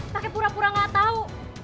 pake pura pura gak tau